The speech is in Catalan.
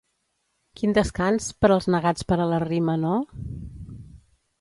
Quin descans, per als negats per a la rima, no?